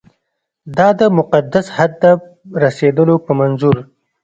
دا د مقدس هدف رسېدلو په منظور.